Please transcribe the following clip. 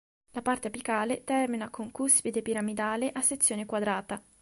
La parte apicale termina con cuspide piramidale a sezione quadrata.